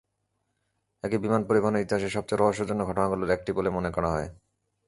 একে বিমান পরিবহনের ইতিহাসে সবচেয়ে রহস্যজনক ঘটনাগুলোর একটি বলেই মনে করা হয়।